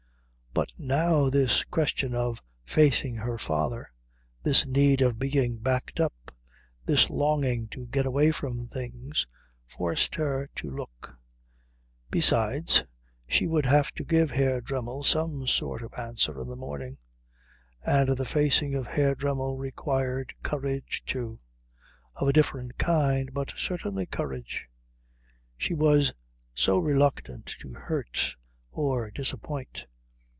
But now this question of facing her father, this need of being backed up, this longing to get away from things, forced her to look. Besides, she would have to give Herr Dremmel some sort of answer in the morning, and the facing of Herr Dremmel required courage, too of a different kind, but certainly courage. She was so reluctant to hurt or disappoint.